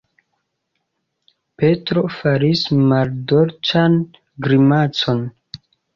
Petro faris maldolĉan grimacon.